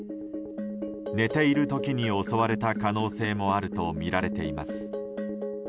寝ている時に襲われた可能性もあるとみられています。